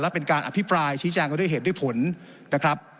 และเป็นการอภิปรายชี้แจงกันด้วยเหตุด้วยผลนะครับ